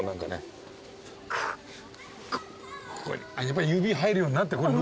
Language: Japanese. やっぱり指入るようになってこれ。